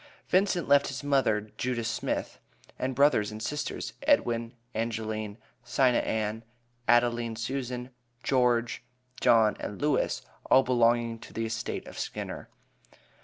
Vincent left his mother, Judah Smith, and brothers and sisters, Edwin, Angeline, Sina Ann, Adaline Susan, George, John and Lewis, all belonging to the estate of Skinner.